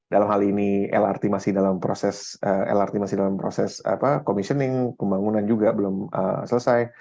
dalam hal ini lrt masih dalam proses commissioning pembangunan juga belum selesai